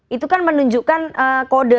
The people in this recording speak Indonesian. itu kan menunjukkan kode